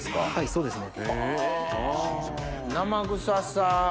そうですね。